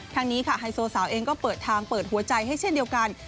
ทางนี้ค่ะไฮโซสาวเองก็เปิดทางเปิดหัวใจให้เช่นเดียวกัน